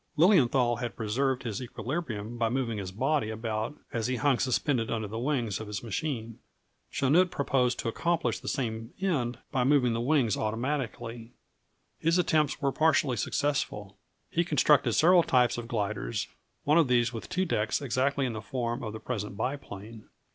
Lilienthal had preserved his equilibrium by moving his body about as he hung suspended under the wings of his machine. Chanute proposed to accomplish the same end by moving the wings automatically. His attempts were partially successful. He constructed several types of gliders, one of these with two decks exactly in the form of the present biplane.